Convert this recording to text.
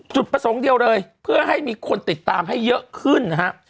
จุดประสงค์เดียวเลยเพื่อให้มีคนติดตามให้เยอะขึ้นนะครับ